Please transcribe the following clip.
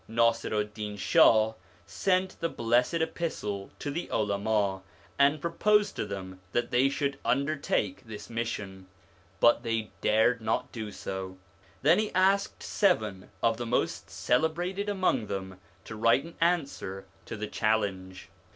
Nasiru'd Din Shah sent the blessed epistle to the Ulama and proposed to them that they should under take this mission, but they dared not do so. Then he asked seven of the most celebrated among them to write an answer to the challenge.